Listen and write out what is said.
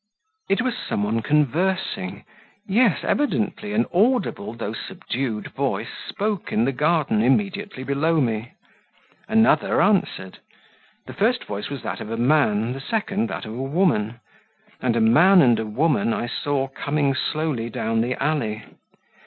It was some one conversing yes, evidently, an audible, though subdued voice spoke in the garden immediately below me. Another answered; the first voice was that of a man, the second that of a woman; and a man and a woman I saw coming slowly down the alley.